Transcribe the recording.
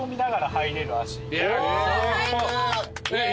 最高。